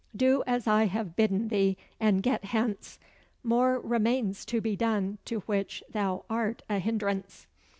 Do as I have bidden thee, and get hence. More remains to be done to which thou art a hindrance."